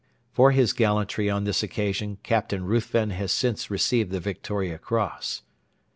[For his gallantry on this occasion Captain Ruthven has since received the Victoria Cross.